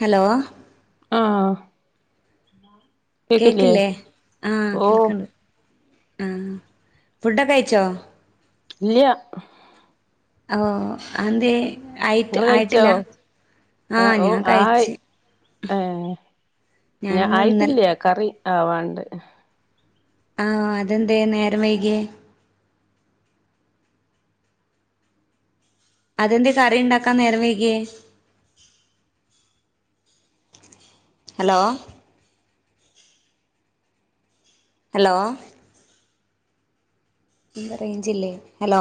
Hello ആഹ കേൾക്കില്ലേ ആഹ് കേൾക്കണ്ട് ആ ഫുഡൊക്കെ കഴിച്ചോ ഇലിയയോ ഓ അത നിങ്ങൾ കഴിച്ചോ ആഹ് ഓ ഞാൻ ആയി കഴിച്ച് ഏ ഞാ ഞാനിന്ന് ഇന്നൽ ആയിട്ടില്ല കറി ആവാണ്ട് ആഹ അതെന്ത നേരം വൈകിയേ അതെന്ത് കറി ഉണ്ടാക്കാൻ നേര വേക ഹലോ ഹലോ ഇ റേഞ്ചല്ലേ ഹലോ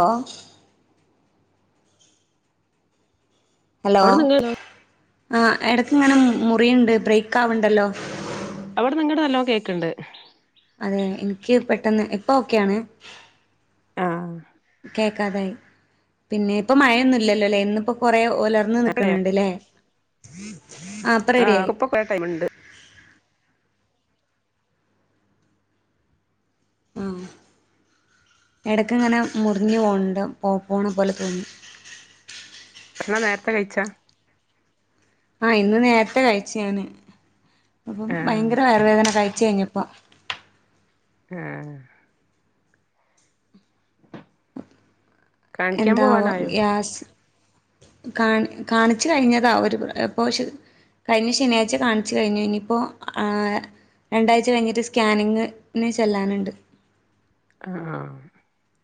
ഹലോ അവിടെ നിങ്ങ ആ ഇടയ്ക്ക ഇങ്ങനെ മുറിയു ണ്ട് ബ്രേക്ക് ആവണ്ടല്ലോ അവിടെ നിങ്ങുടെ നല്ലോ കേക്കണ്ട് അതെ എനിക്ക് പെട്ടെന്ന് ഇപ്പ ഒക്കെയാണ് ആഹ കേക്കാതായി പിന്നെ ഇപ്പ മഴയൊന്നുംല്ലല്ലോല്ലേ ഇന്നി പ്പോ കൊറേ പുലർന്ന അവിടെയോ നിക്കണണ്ട്ല്ലേ ഉം ആഹ് കുപ്പ കുറ ടൈമുണ്ട് ആഹ ഇടക്ക് ഇങ്ങനെ മുറിഞ്ഞു പോണ്ട് പോ പോണ പോലെ തോന്നി ഭക്ഷണം നേരത്തെ കഴിച്ചാ ആഹ ഇന്ന് നേരത്തെ കഴിച്ചു ഞാന് അപ്പം ആഹ് ഭയങ്കര വയർ വേദന കഴിച്ചച്ച് കഴിഞ്ഞപ്പോ വ ആഹ [inaudible] കാണിക്കാൻ എന്താ പോവാനായോ ഗ്യാസ് കാണി കാണിച്ചു കഴിഞ്ഞതാ ഒരു ഇപ്പോൾ കഴിഞ്ഞ ശനിയാഴ്ച കാണിച്ചു കഴിഞ്ഞു ഇനിയിപ്പോൾ രണ്ടാഴ്ച കഴിഞ്ഞിട്ട് സ്കാനിങ്ങന് ചെല്ലാനുണ്ട് ആഹ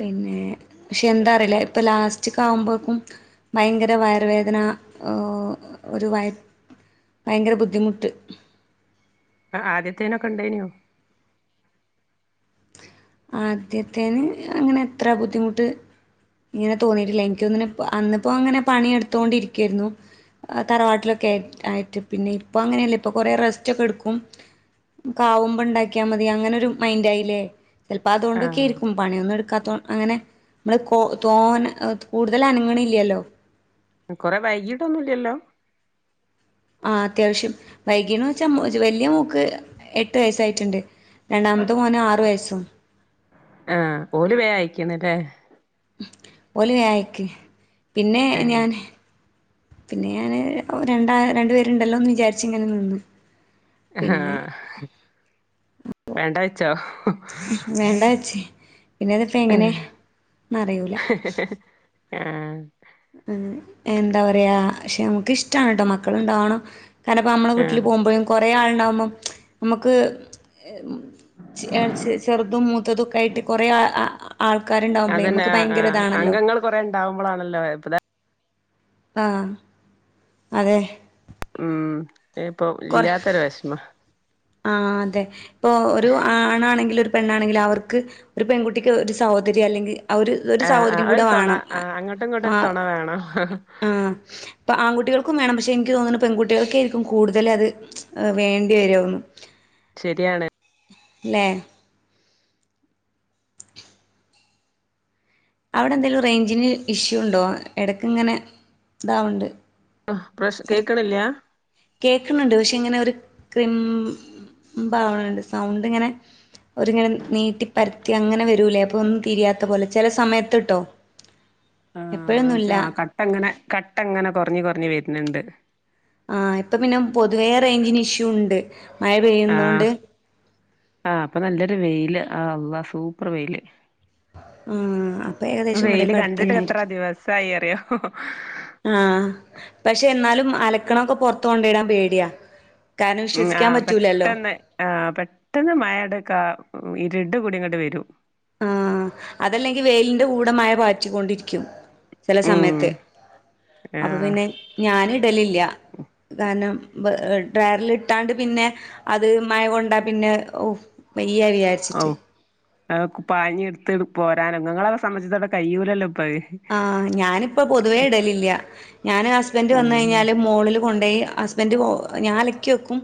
പിന്നെ പക്ഷെ എന്താ അറിയില്ല ഇപ്പൊ ലാസ്റ്റക്ക ആവുമ്പോക്കും ഭയങ്കര വയറുവേദന ഏ ഒരു വയ ഭയങ്കര ബുദ്ധിമുട്ട് ആദ്യത്തേനൊക്കെ ഇണ്ടനോ ആദ്യത്തേന് അങ്ങനെ എത്ര ബുദ്ധിമുട്ട് ഇങ്ങനെ തോന്നിട്ടില്ല എനിക്കൊന്നിന അന്നിപ്പോ അങ്ങനെ പണി എടുത്തോണ്ടി ഇരിക്കുവായിരുന്നു തറവാട്ടിലൊക്കെയി ആയിട്ട് പിന്നെ ഇപ്പ അങ്ങനെയല്ലേ ഇപ്പൊ കൊറെ റെസ്റ്റ് ഒക്കെ എടുക്കും കാവുമ്പോ ഉണ്ടാക്കിയാൽ മതി അങ്ങനെ ഒരു മൈൻഡ് ആയില്ലേ ചിലപ്പോ അതുകൊക്കയിരിക്കും ആഹ് പണിയൊന്ന എടു അങ്ങനെ നമ്മള് കോ തോൻ കൂടുതൽ അനങ്ങണ ഇല്ലല്ലോ കൊറെ വൈകീട്ടൊ ഒന്നുംല്ലല്ലോ ആ അത്യാവശ്യം വൈകീണ വെച്ചാ വല്ിയ മൂക്ക് എട്ട് വയസ്സായിട്ടുണ്ട് രണ്ടാമത്തെ മോന് ആറു വയസ്സോ ആഹ പോല വേ അയിക്കുന്നല്ലേ ഒലവ ആയിക്ക് പിന്നെ ഏഹ് ഞാൻ പിന്നെ ഞാന് രണ്ടാ രണ്ടു പേരുണ്ടല്ലോന്ന് വിചാരിച്ച ഇങ്ങനെ നിന്ന് ആഹ പിന്നെ പേണ്ടാഴച്ചോ വേണ്ട ച്ച് പിന്നെതിപ്പോ എങ്ങനെ അറിയൂല ആഹ എന്താ പറയാ പക്ഷെ നമുക്ക് ഇഷ്ട ഇഷ്ട കേട്ടോ മക്കളുണ്ടാവണം കാരണംപ്പോ നമ്മള വീട്ടിൽ ആഹ് പോകുമ്പോഴും കു കുറെ യാളുണ്ടാവുമ്പം നമുക്ക് ചെറുതും മൂത്തതൊക്കെ ആയിട്ട് കുറെേ അതന്നെ ആ അംഗങ്ങൾ കൊറെ ഉണ്ടാവുമ്പോളാണല്ലോ ഇപ്പ ആഹ അതെ ഉം ഏ ഇപ്പൊ കൊറ ഇല്ലാത്തൊരു വിഷമ ആ അതെ ഇപ്പോൾ ഒരു ആണാണെങ്കില ഒരു പെണ്ണാണെങ്കിൽ അവർക്ക് ഒരു പെൺകുട്ടിക്ക് ഒരു സഹോദരി അല്ലെങ്കിൽ ഒരു ആ ആ സഹോദരിം ഒരു കൂടെ തുണ വേണം ആ അങ്ങോട്ടും ഇങ്ങോട്ടും ഒരു ആ തുണ വേണം അപ്പ ആൺകുട്ടികൾ ക്കും വേണം പക്ഷെ എനിക്ക് തോന്നുന്നു പെൺകുട്ടികൾക്ക ആായിരിക്കും കൂടുതല അത് വേണ്ടി വരുന്നു ശരിയാണ് ലേ അവിടെ എന്തേലും റേഞ്ചിന് ഇഷ്യൂ ഉണ്ടോ ഇടക്ക് ഇങ്ങനെ ഇതാവണ്ട് പ്രശ് ഒരു കേക്കണില്ല കേക്കുന്നുണ്ട് പക്ഷെ ഇങ്ങനെ ഒരു കുംബാവണുണ്ട് സൗണ്ടിങ്ങനെ ഒരിങ്ങനെ നീട്ടിപരത്തി അങ്ങനെ വരൂലേ അപ്പോൾ ഒന്നും തിരിയാത്തപോലെ ചില സമയത്ത്ട്ടോ ആ.. എന്നുവച്ചാൽ കട്ടങ്ങനെ, കട്ടങ്ങനെ കൊറഞ്ഞു കൊറഞ്ഞ്‌ വരും ഇങ്ങനെയുണ്ട് ആ... ഇപ്പൊപിന്നെ പൊതുവേറേഞ്ചിനിഷ്യൂ വുണ്ട് മഴ ആ പെയ്യുന്നോണ്ട് ആ അപ്പൊ നല്ലൊരു വെയില്, ആ.. നല്ല സൂപ്പർ വെയില് ഉം... അത് ഏകദേശം വെയില് കണ്ടിട്ട് എത്ര ഇവിടൊക്കെയടുത്തായിരിക്കും, ദിവസായി അറിയോ ആ.. പക്ഷേയെന്നാലും അലക്കണതൊക്കെ പൊറത്ത് കൊണ്ടെയിടാൻ പേടിയാ കാരണം ഉം... ആ.. വിശ്വസിക്കാൻ പറ്റൂലല്ലോ പെട്ടെന്ന് ആ.. പെട്ടെന്ന് മഴയുടെ കാറ് വീഴും ഇരുണ്ട് മൂടിയിങ്ങട്ട്‌വരും ആ.. അതല്ലെങ്കിൽ വേയിലിന്റെ കൂടെ മഴപാച്ചിക്കൊണ്ടിരിക്കും. ഉം ചിലസമയത്ത്, ആ അപ്പ പിന്നെ ഞാനിടലില്ല കാരണം ഡ്രയറിൽ ഇട്ടാണ്ട് പിന്നെയത് മഴകൊണ്ടാ പിന്നെ ഒ.. വെ ഈ അരി അരച്ചിട്ട് അതൊ പാഞ്ഞ എടുത്ത് പോരാനോങ്ങളെ സംബന്ധിച്ചി [inaudible] വിടെ ക്യൂലല്ലോ ആ.. ഞാനിപ്പോ പൊതുവേഇടലില്ല. ഞാന് ഹസ്ബന്റ് ഉം വന്നുകഴിഞ്ഞാലും മോളില് ഉണ്ടെങ്കിൽ ഹസ്ബൻഡ് പോ, ഞാനലക്കി വെക്കും.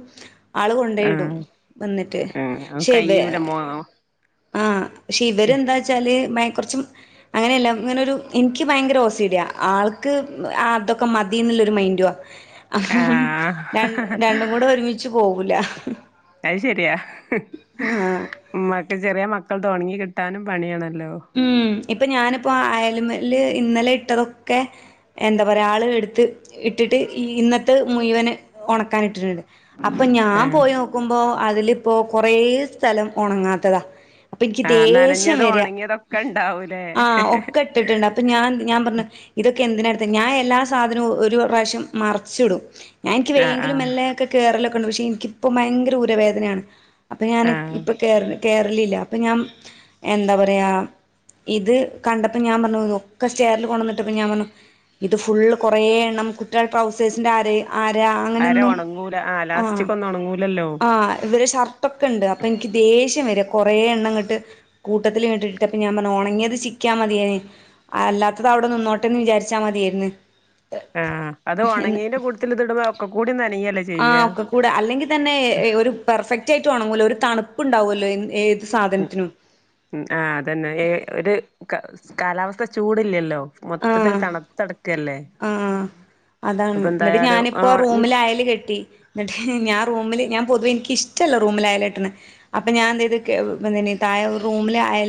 ആള് കൊണ്ടെയിടും ആഹ് വന്നിട്ട്, ആഹ് ശിവയാ കയ്യൂല മോ പക്ഷേ ഇവരെന്താ വച്ചാല് കുറച്ചും, അങ്ങനെയല്ല ഇങ്ങനെ ഒരു എനിക്ക് ഭയങ്കര ഓസീടിയാ ആൾക്ക് അതൊക്കെ മതിയെന്നുള്ള ഒരു മൈൻഡുവാ അ.. ഹ.. ആഹ് ഹം രണ്ടുംകൂടെ ഒരുമിച്ച് പോകും. ഇല്ലാ അത്ശരിയാ ഉമ്മാക്ക് ചെറിയ മക്ക ഇതൊന്ന് തുടങ്ങി കിട്ടാനും പണിയാണ് ഹലോ ഇപ്പംഞാനിപ്പോൾ അയയിൽമേൽ. ഇന്നലെയിട്ടതൊക്കെ എന്താ പറയുക, ആൾ എടുത്ത് ഇട്ടിട്ട് ഈ.. ഇന്നത്തെ മുഴുവന് ഉണക്കാനിട്ടിട്ടുണ്ട്. അപ്പൊ ആഹ് ഞാൻപോയി നോക്കുമ്പോ അതില് ഇപ്പോ കൊറേസ്ഥലം ഉണങ്ങാത്തതാ അപ്പൊയെനിക്ക് ആഹ് ദേഷ്യം നനഞ്ഞതും വര്യാ ഒണങ്ങിയതൊക്കെ ഇണ്ടാവൂലേ ആ.. ഒക്കെ ഇട്ടിട്ടുണ്ട്. അപ്പൊ ഞാൻ, ഞാൻ വന്നിത് എന്തിനായിത് ഞാനെല്ലാ സാധനവും ഒരു പ്രാവശ്യം മറിച്ചിടും. ഞാനെനിക്ക് ആഹ് വയ്യെങ്കിലും, ആഹ് മെല്ലെയൊക്കെ കേറലും ഉണ്ട് പക്ഷേ എനിക്കിപ്പം ഭയങ്കര ഊരുവേദനയാണ്. അപ്പൊ ഞാൻ ആഹ് ഇപ്പൊ കേയറ കേരളീല്ല അപ്പം ഞാൻ എന്താ പറയുക ഇത് കണ്ടപ്പോ ഞാൻ പറഞ്ഞു ഒക്കെ സ്റ്ററിൽ കൊണ്ടന്നിട്ടപ്പോ ഞാൻ പറഞ്ഞു ഇത് ഫുള്ള് കുറെ എണ്ണം കുറ്റൾ ട്രൗസേഴ്സിന്റെ ആര ആരാ അര അങ്ങനൊന്നും ഒണങ്ങൂല ആഹ് ആ ലാസ്റ്റിക്കൊന്നും ഒണങ്ങൂലല്ലോ ആ് ഇവടെ ഷർട്ടൊക്കെ ഉണ്ട് അപ്പൊ എനിക്ക് ദേഷ്യം വരും കുറേ എണ്ണം ഇങ്ങട്ട് കൂട്ടത്തിൽ കണ്ടിട്ട് മപ്പ ഞാൻ പറ ഉണങ്ങിയത് ചിക്കാ മതിയായി അല്ലാത്തത് അവിടെ നിന്നോട്ടേന്ന് വിചാരിച്ചാൽ മതിയായിരുന്നു ആഹ അത് ഉണങ്ങീന്റെ കൂടുത്തിൽ ഇത്ടുമ്പോ ഒക്കെ കൂടി നനയല്ലേ ആ ചെയ്യാ ഒക്ക കൂട അല്ലെങ്കിൽ തന്നെ ഒരു പെർഫെക് ക്ട് ആയിട്ട് ഉണങ്ങുല്ല ഒരു തണുപ്പുണ്ടാവുമല്ലോ ഉ സാധനത്തിനും ആ അതന്നെ ഏ ഒരു കാലാവസ്ഥ ചൂടില്ലല്ലോ മൊത്തത്തില് തണുത്തടക്കല്ലേ ആ അതാണ് അപ്പൊ എന്നിട്ട് എന്തായാലും ഞാനിപ്പോ ആഹ് ഇനി റൂമിൽയല് കെട്ടി എന്നിട്ട് ഞാൻ റൂം റൂമിൽ ഞാൻ പൊതുവേ എനിക്കിഷ്ടല്ല റൂമിൽ അയകെട്ടണ അപ്പോൾ ഞാൻ എന്തായത് പിന്ത താ റൂമിൽ അയ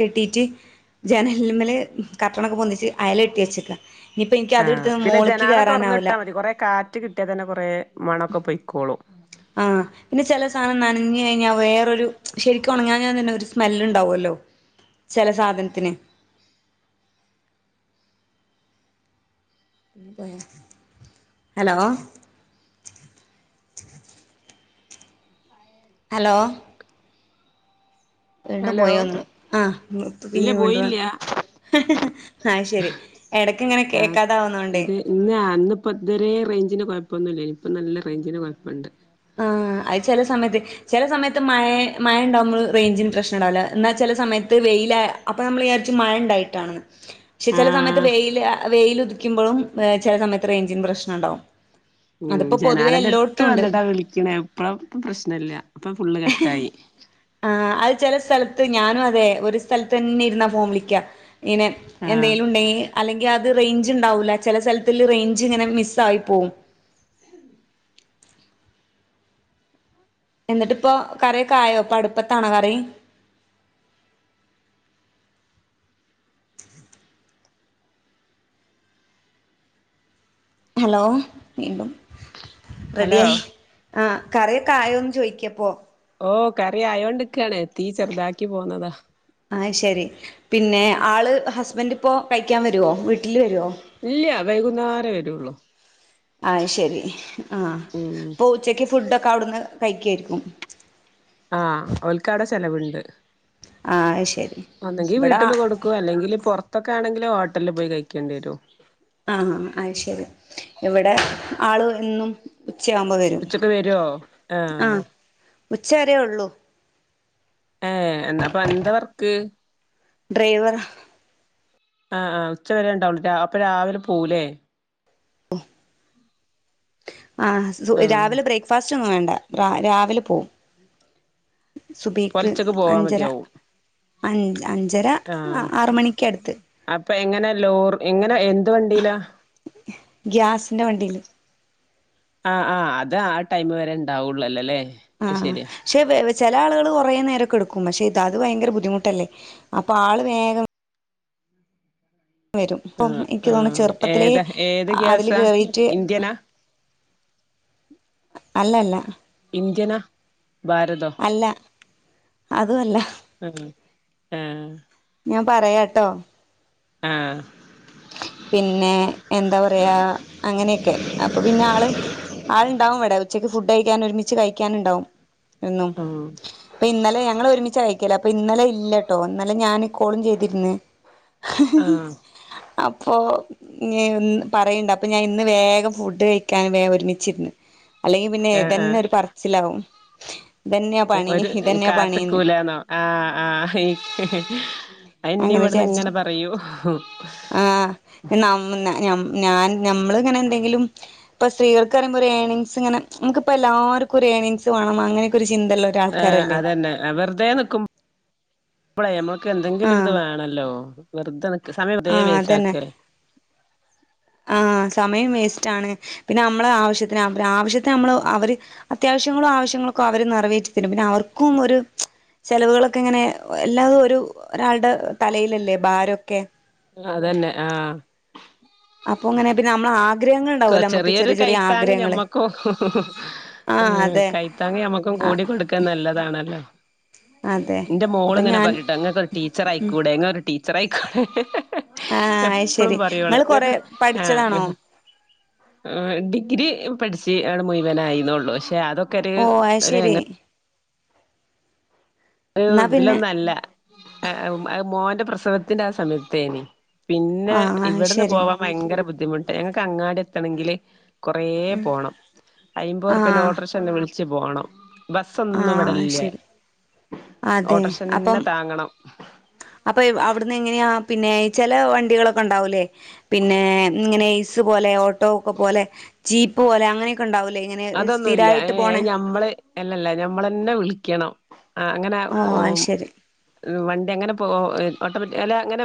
കെട്ടിയിട്ട് ജനൽമൽ കട്ടണൊക്കെ പൊന്നിച്ച് അയലെട്ടി വെച്ചേക്കാം ആ പിന്നെ ജനാല തുറന്ന് ഇട്ടാ മതി കൊറെ കാറ്റ് കിട്ടിയാൽ തന്നെ കൊറെ മണൊക്കെ പൊയ്ക്കോളൂ ആഹ പിന്നെ ചില സാധനം നനഞ്ഞു കഴിഞ്ഞാൽ വേറൊരു ശരിക്കും ഉണങ്ങാഞ്ഞാൻ തന്നെ ഒരു സ്മെല് ഉണ്ടാവല്ലോ ചില സാധനത്തിന് ഹലോ ഹലോ വീണ്ടും ഹലോ പോയ ഒന്ന് ആഹപ്പ ഇല്ല പിന്നെ വീണ്ട വ പോയില്ല ആ ശരി എടക്ക ഇങ്ങനെ ആഹ് കേക്കാതാവുന്നോണ്ടേ ഇത് ഇന്ന് ഇപ്പം നല്ല റേഞ്ചിന് കുഴപ്പമുണ്ട് അത് ചില സമയത്ത് ചില സമയത്ത് മഴ മഴ ഉണ്ടാവുമ്പൾ റേഞ്ചിന് പ്രശ്നം ഉണ്ടാവില്ല എന്നാൽ ചില സമയത്ത് വെയില അപ്പോൾ നമ്മൾ വിചാരിച്ച് മഴ ഉണ്ടായിട്ടാണെന്ന് പക്ഷെ ചില സമയത്ത് ആഹ് വെയില് വെയില് ക്കിമ്പോഴും ചില സമയത്ത് റേഞ്ചിന് പ്രശ്നംണ്ടാവും ഉ ജനാലന്റെ അടുത്ത് വന്നിട്ടാ വിളിക്ക ണ ഇപ്പ ഇ പ്രശ്ന ഇല്ല അപ്പൊ ഫുള്ള് കട്ടായി ആ അത് ചില സ്ഥലത്ത് ഞാനും അതെ ഒരു സ്ഥലത്ത് തന്നെ ഇരുന്നാ ഫോം വിളിക്കാ പിന്നെ ആഹ് എന്തെങ്കിലും ഉണ്ടെങ്കിൽ അല്ലെങ്കിൽ അത് റേഞ്ച് ഉണ്ടാവൂല്ല ചില സ്ഥലത്തി റേഞ്ച് ഇങ്ങനെ മിസ് ആയി പോകും. ഉ [unintelligible] ഉ [inaudible] എന്നിട്ട് ഇപ്പോ കറിക്കൊയോ ഇപ്പൊ അടുപ്പത്താണോ കറി ഹലോ വീണ്ടും ഹലോ റെഡിയിയായി ആ കറിയക്കായ ഒന്നന്ന് ചോദിക്കപ്പോ ഓ കറി ആയോണ്ട്ക്കാണ് തീ ചെറുതാക്കി പോന്നതോ ആഹ് ശരി പിന്നെ ആള് ഹസ്ബൻഡ് ഇപ്പോ കഴിക്കാൻ വരുമോ വീട്ടില് വരോ ഇല്ല വൈകുന്നേരേ വരുള്ളൂ ആഹ് ശരി അ ഉം ഉച്ചയ്ക്ക് ഫുഡ് അവിടുന്ന് കഴിക്കായിരിക്കും ചെലവ്ണ്ട് ആഹ് ശരി ഒന്നെങ്കി ഇവിടെ വീട്ടിന്ന് കൊടുക്കു അല്ലെങ്കിൽ പുറത്ത് ഇത്തൊക്കെ ആണെങ്കിൽ ഹോട്ടലിൽ പോയി കഴിക്കേണ്ടി വരും ആ അശരി ഇവിടെ ആള് എന്നും ഉച്ചയാവുമ്പോ വരും ഉച്ചക്ക് വരുവോ ആ ഉച്ചരേ ഒള്ളൂ ഏ എന്നാ പ്പ അന്ത വർക്ക് ഡ്രൈവർ ആആ ഉച്ചവരെ ഉണ്ടാവു അപ്പൊ രാവിലെ പോവു ലേ ആ ആഹ് രാവിലെ ബ്രേക്ക്ഫാസ്റ്റ് ഒന്നും വേണ്ട രാവിലെ പോവും സുബിക്ക് പൊലച്ചക്ക് പോവാ അഞ്ചര മതിയാവും അഞ്ച് അഞ്ചര ആറ്മണിക്കടുത്ത് അപ്പ എങ്ങനെ ലോർ എങ്ങനെ എന്ത് വണ്ടിയില ഗ്യാസിന്റെ വണ്ടിയില് ആ ആ അത് ആ ടൈമ് വരെ ഉണ്ടാവുള്ളുല്ലോ അല്ലേ ആ അത് ശരിയാ ക്ഷെ ചില ആളുകൾ കുറെ നേരൊക്കെ എടുക്കും പക്ഷെ അത് ഭയങ്കര ബുദ്ധിമുട്ടല്ലേ അപ്പൊ ആള് വേഗം വരും അപ്പം ആഹ് എനിക്ക് തോന്നും ആഹ് ചെറുപ്പത്തിലെ ഏതാ ഏത് അതില് ഗ്യാസാ കേറിട്ട് ഇന്ത്യനാ അല്ല അല്ല ഇന്ത്യനാ ഭാരതോ അല്ല അതും അല്ല ആ ഞാൻ പറയാട്ടോ ആ പിന്നെ എന്താ പറയാ അങ്ങനെയൊക്കെ അപ്പൊ പിന്നെ ആള് ആളുണ്ടാവും ഇവടെ ഉച്ചക്ക് ഫുഡ് കഴിക്കാന് ഒരുമിച്ച് കഴിക്കാന് ണ്ടാവും എന്നും ഉം ഇപ്പൊ ഇന്നലെ ഞങ്ങള് ഒരുമിച്ചായിക്കാ ക്കേല അപ്പൊ ഇന്നലെ ഇല്ലട്ടോ ഇന്നലെ ഞാൻ ക്കോളും ചെയ്തിര്ന്ന് ആ പ്പൊ ഞ്ഞി പറയ്ണ്ട് അപ്പൊ ഞാന് ഇന്ന് വേഗം ഫുഡ് കഴിക്കാന് വേം ഒരുമിച്ചിരിന്ന് അല്ലെങ്കിൽ പിന്നെ ആഹ് യെതന്നെ ആഹ് ഒരു പറച്ചിലാവും ഇതന്നെയാ പണി ഒരു ഇതന്നെയാ പണിന്ന് കാത്തക്കൂലാന്നോ ആ ആ അത്‌ ഇന്നിം അങ്ങനെ ഇവിടുന്ന് ഇങ്ങനെ വിചാരിച്ചിട്ട് പറയൂ നമ്മ് ന ഞ്ഞം ഞാൻ നമ്മള് ഇങ്ങനെ എന്തെങ്കിലും ഇപ്പ സ്ത്രീകൾക്ക് പറയുമ്പോ ഒരു ഏണിങ്സ്ങ്ങെ നമക്കിപ്പ എല്ലാവർക്കും ഒരു ഏണിങ്സ് വേണം അങ്ങനെ ആ അതന്നെ അ വെറുതേ നിക്കുമ്പോ പ്പളൈ എന്തെങ്കിലും ഒരിത് ആഹ് വേണല്ലോ വെർതെ നി സമയം വെർ തേ വേസ്റ്റാക്കാണ് ആ സമയം വേസ്റ്റാണ്. പിന്നെ നമ്മള ആവശ്യത്തിന് അവര് ആവശ്യത്തിന് നമ്മള് അവര് അത്യാവശ്യങ്ങളും ആവശ്യങ്ങളു ഒക്കെ അവര് നിറവേറ്റി തരും. പിന്നെ അവർക്കും ഒരു ചെലവുകളൊക്കെ ഇങ്ങനെ എല്ലാതും ഒരു ഒരാൾടെ തലയിലല്ലേ ഭാരൊക്കെ അതന്നെ ആ അപ്പൊ അങ്ങനെ പിന്നെ നമ്മളാ ക്ക് ചെറിയൊരു കൈത്താങ് ഞമ്മക്കും ആഹ് അതെ കൈത്താങ് ഞമ്മക്കും ആഹ് കൂടിക്കൊടുക്കാൻ നല്ലതാണല്ലോ. അതെ ഇന്റെ അപ്പൊ മോളിങ്ങനെ ഞാൻ പറഞ്ഞിട്ട ഇങ്ങക്കൊരു ടീച്ചർ ആയിക്കൂടെ ഇങ്ങളൊരു ടീ ച്ചറായിക്കോ ആ അയ്ശരി നിങ്ങള്ൾ കൊറെ പഠിച്ചതാണോ ആ ഡിഗ്രി പഠിച്ച ആണ് മുയിവന ആയിന്നള്ളുെ പക്ഷേ അതൊക്കെ ഒരു ഓ അത് ഒരു ശരി അങ്ങ ഒരു എന്നാ പിന്നെ ഇതിലൊന്നല്ല മോന്റെ പ്രശ്ന ഉത്സവത്തിന്റെ ആ സമയത്തേനി പിന്നെ ആഹ് അത് ഇവിടുന്ന് ശരി പോവാാൻ ഭയങ്കര ബുദ്ധിമുട്ട് ഞങ്ങ അങ്ങാടി എത്തണെങ്കില് കുറേ പോകണം അയിമ്പത് റുപ്പന്റെ ആഹ് ഓട്ടോറേഷെ വിള പച്ചു പോണം ബസ്സ ഒന്നും ആഹ് ഇവിടല്ലേ ശരി അതെ അപ്പം അപ്പൊ അവിടുന്ന് എങ്ങനെയാ പിന്നെ ചില വണ്ടികളൊക്കെ ഉണ്ടാവൂല്ലേ പിന്നെ ഇങ്ങനെ ലെ ഓട്ടോെ പോലെ ജീപ്പ് പോലെ അങ്ങനെ അതൊന്നുമല്ല ഏ ഞമ്മള് അല്ലല്ല ഞമ്മളെന്നെ വിളിക്കണം അങ്ങനെ ഓ അത് ശരി വണ്ടി അങ്ങനെ പോവാ ഓട്ടോമാറ്റി അല്ല അങ്ങനെ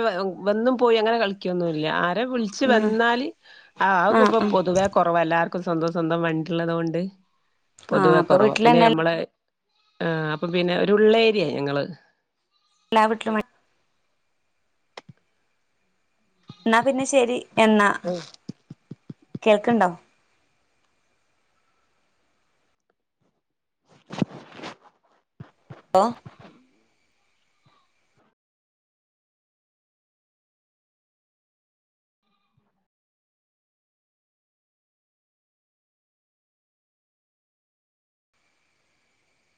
വന്നും പോയി അങ്ങനെ കളിക്കൊന്നുംല്ല വിളിച്ചച്ച് ഉം വന്നാല് ആഹ് ഇപ്പ ആഹ് പൊതുവ കുറവ എല്ലാർക്കും സ്വന്തം സ്വന്തം വണ്ടി ഉള്ളതുകൊണ്ട് ആഹ് പൊതുവെ അപ്പൊ കുറവാ പിന്നെ വീട്ടിലന്നെ ഞമ്മളെ ആ അപ്പം പിന്നെ ഒരുള്ള ഏരിയ ഞങ്ങള് എല്ലാ വട്ടിലും വണ്ടി എന്നാ പിന്നെ ശരി എന്ന കേൾക്കണ്ടോ ഹലോ